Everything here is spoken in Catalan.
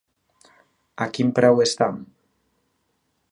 A quin preu està?